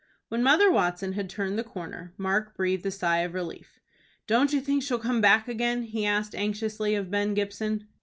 When Mother Watson had turned the corner, Mark breathed a sigh of relief. "Don't you think she'll come back again?" he asked anxiously of Ben Gibson.